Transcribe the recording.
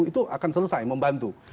itu akan selesai membantu